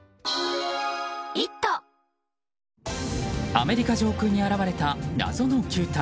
アメリカ上空に現れた謎の球体。